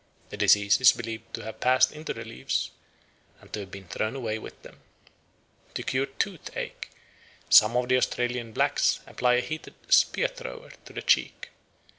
The disease is believed to have passed into the leaves, and to have been thrown away with them. To cure toothache some of the Australian blacks apply a heated spear thrower to the cheek.